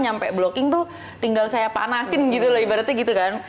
sampai blocking tuh tinggal saya panasin gitu loh ibaratnya gitu kan